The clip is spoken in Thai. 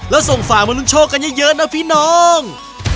และส่งฝ่ามนุ่งโชคกันเยอะนะพี่น้อง